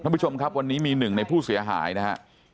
ท่านผู้ชมครับวันนี้มี๑ในผู้เสียหายนะฮะ